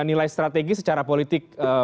nilai strategis secara politik